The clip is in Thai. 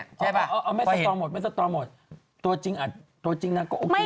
ไม่สตอร์หมดตัวจริงอ่ะตัวจริงนั้นก็โอเค